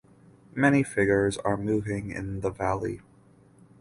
Many figures are moving in the valley.